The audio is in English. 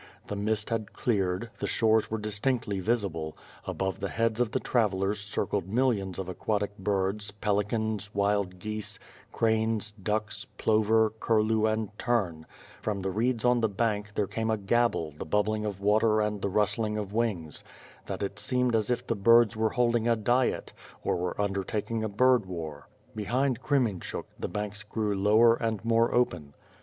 The mist had cleared; the shores were distinctly visible; above the heads of the travellers circled millions of aquatic birds, peli cans, wild geese, cranes, ducks, plover, curlew, and tern; from the reeds on the bank, there came a gabble, the bubbling of water and the rustling of wings; that it seemed as if the birds were holding a dieit, or were undertaking a bird war. Behind Kremenehuk the banks grew lower and more open.